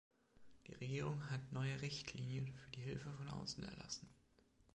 Die Regierung hat neue "Richtlinien" für die Hilfe von außen erlassen.